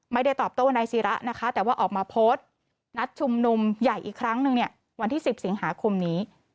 ไม่ได้ตอบโต้ในซีระแต่ว่าออกมาโพสต์นัดชุมนุมใหญ่อีกครั้งนึงวันที่๑๐สิงหาคมนี้